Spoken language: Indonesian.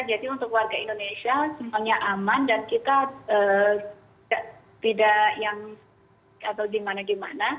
jadi untuk warga indonesia semuanya aman dan kita tidak yang atau gimana gimana